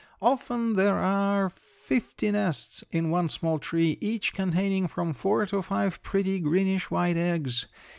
Often there are fifty nests in one small tree, each containing from four to five pretty, greenish white eggs.